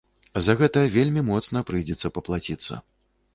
За гэта вельмі моцна прыйдзецца паплаціцца.